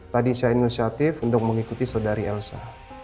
tadi saya inisiatif untuk mengikuti saudari elsa